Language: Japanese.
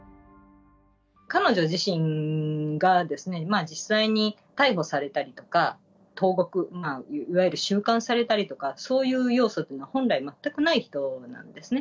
彼女自身が、実際に逮捕されたりとか、投獄、いわゆる収監されたりとか、そういう要素というのが、本来、全くない人なんですね。